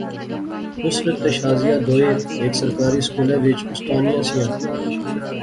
نصرت تے شازیہ دوئے ہیک سرکاری سکولے وچ اُستانیاں سیاں